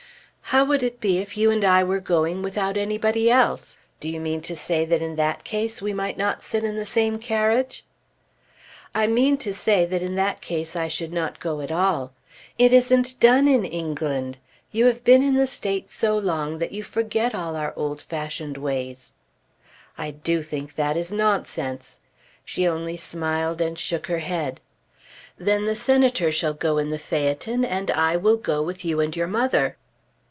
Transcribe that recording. "How would it be if you and I were going without anybody else? Do you mean to say that in that case we might not sit in the same carriage?" "I mean to say that in that case I should not go at all. It isn't done in England. You have been in the States so long that you forget all our old fashioned ways." "I do think that is nonsense." She only smiled and shook her head. "Then the Senator shall go in the phaeton, and I will go with you and your mother."